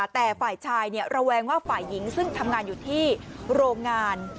แต่ฝ่ายชายระแวงว่าฝ่ายหญิงซึ่งทำงานอยู่ที่โรงงาน